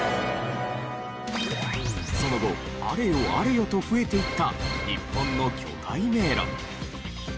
その後あれよあれよと増えていった日本の巨大迷路。